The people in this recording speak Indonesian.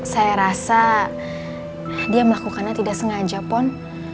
saya rasa dia melakukannya tidak sengaja pun